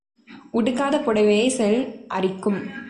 உடுக்காத புடைவையைச் செல் அரிக்கும்.